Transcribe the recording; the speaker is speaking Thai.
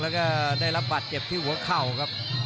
แล้วก็ได้รับบาดเจ็บที่หัวเข่าครับ